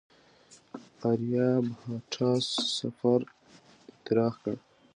آریابهټا صفر اختراع کړ.